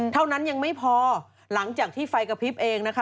เท่านั้นยังไม่พอหลังจากที่ไฟกระพริบเองนะคะ